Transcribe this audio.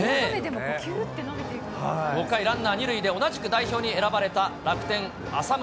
５回ランナー２塁で同じく代表に選ばれた楽天、浅村。